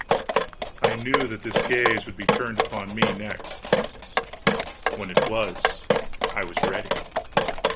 I knew that this gaze would be turned upon me, next. When it was, I was ready.